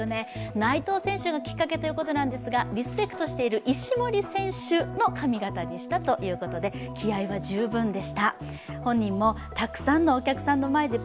内藤選手がきっかけということなんですが、リスペクトしている石森選手の髪形にしたということで気合いは十分でした。